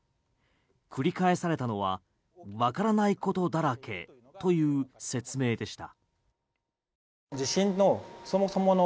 繰り返されたのはわからないことだらけという説明でした。